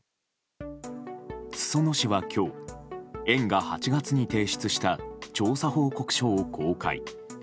裾野市は今日園が８月に提出した調査報告書を公開。